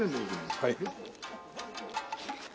はい。